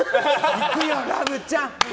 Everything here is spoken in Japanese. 行くよ、ラブちゃん。